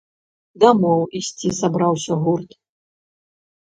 Дамоў ісці сабраўся гурт.